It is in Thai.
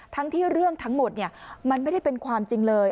ทั้งที่เรื่องทั้งหมดมันไม่ได้เป็นความจริงเลย